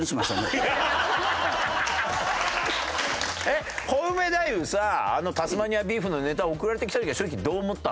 えっコウメ太夫さあのタスマニアビーフのネタ送られて来た時は正直どう思ったの？